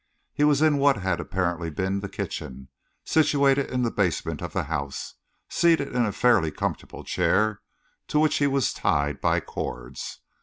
He was in what had apparently been the kitchen, situated in the basement of the house, seated in a fairly comfortable chair to which he was tied by cords.